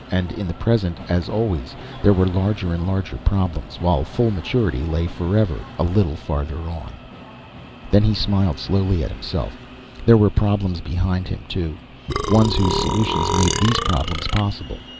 And in the present, as always, there were larger and larger problems, while full maturity lay forever a little farther on. Then he smiled slowly at himself. There were problems behind him, too ones whose solutions made these problems possible.